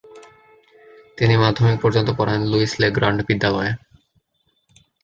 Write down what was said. তিনি মাধ্যমিক পর্যন্ত পড়েন লুইস-লে-গ্র্যান্ড বিদ্যালয়ে।